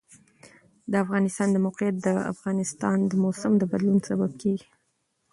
د افغانستان د موقعیت د افغانستان د موسم د بدلون سبب کېږي.